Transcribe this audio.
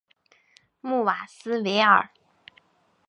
穆瓦斯维尔。